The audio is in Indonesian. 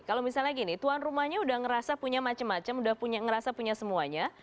kalau misalnya gini tuan rumahnya udah ngerasa punya macem macem udah ngerasa punya semuanya